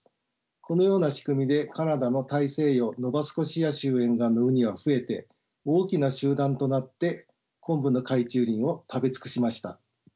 このような仕組みでカナダの大西洋ノバスコシア州沿岸のウニは増えて大きな集団となってコンブの海中林を食べ尽くしました。